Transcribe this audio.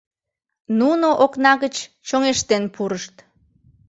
Нуно окна гыч чоҥештен пурышт.